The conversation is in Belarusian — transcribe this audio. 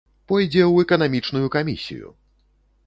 Пойдзе ў эканамічную камісію!